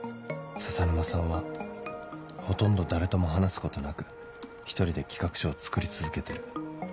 笹沼さんはほとんど誰とも話すことなく１人で企画書を作り続けてる